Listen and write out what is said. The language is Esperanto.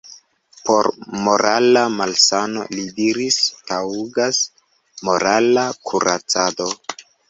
Por morala malsano, li diris, taŭgas morala kuracado.